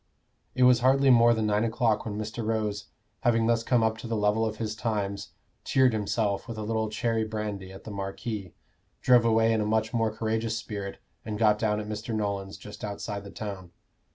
It was hardly more than nine o'clock when Mr. Rose, having thus come up to the level of his times, cheered himself with a little cherry brandy at the Marquis, drove away in a much more courageous spirit, and got down at Mr. Nolan's, just outside the town.